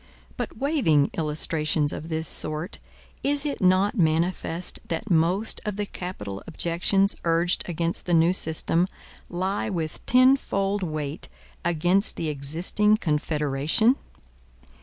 But waiving illustrations of this sort, is it not manifest that most of the capital objections urged against the new system lie with tenfold weight against the existing Confederation?